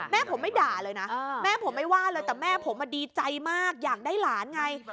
แม่ผมไม่ด่าเลยนะแม่ผมไม่ว่าเลยแต่แม่ผมดีใจมากอยากได้หลานไง